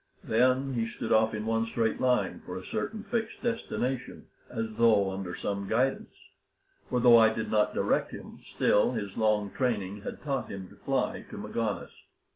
Then he stood off in one straight line for a certain fixed destination, as though under some guidance; for though I did not direct him, still his long training had taught him to fly to Magones.